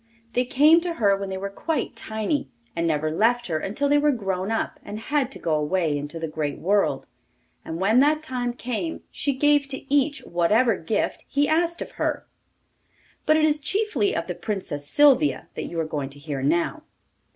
They came to her when they were quite tiny, and never left her until they were grown up and had to go away into the great world; and when that time came she gave to each whatever gift he asked of her. But it is chiefly of the Princess Sylvia that you are going to hear now.